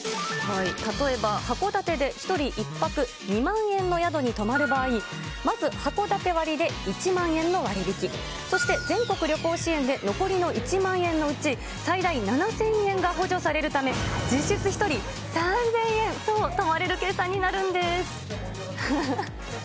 例えば函館で１人１泊２万円の宿に泊まる場合、まずはこだて割で１万円の割引、そして全国旅行支援で残りの１万円のうち最大７０００円が補助されるため、実質１人３０００円で、そう、泊まれる計算になるんです。